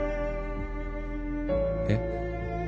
えっ？